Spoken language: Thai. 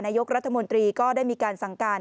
นายกรัฐมนตรีก็ได้มีการสั่งการ